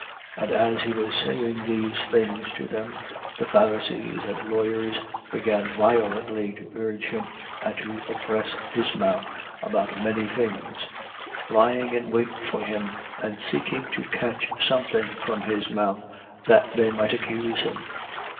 11:53. And as he was saying these things to them, the Pharisees and the lawyers began violently to urge him and to oppress his mouth about many things, 11:54. Lying in wait for him and seeking to catch something from his mouth, that they might accuse him.